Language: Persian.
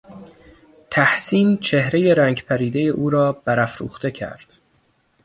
تحسین چهرهی رنگ پریدهی او را برافروخته کرد.